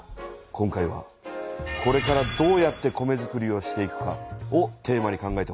今回は「これからどうやって米づくりをしていくか」をテーマに考えてほしい。